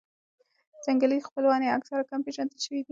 ځنګلي خپلوان یې اکثراً کم پېژندل شوي دي.